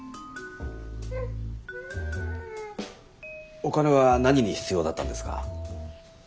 お金は何に必要だったんですか？